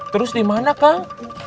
terus dimana kang